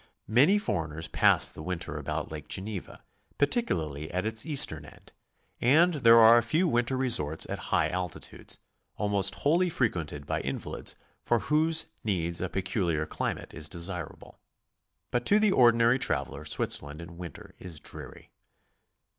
Many foreigners pass the winter about Lake Genev.\, particularly at its eastern end, and there are a few winter resorts at high altitudes, almost wholly frequented by invalids for whose needs a peculiar climate is desirable; but to the ordinary traveler Switzerland in winter is dreary.